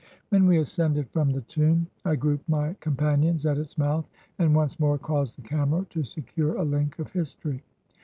When we ascended from the tomb, I grouped my com panions at its mouth and once more caused the camera to secure a hnk of history.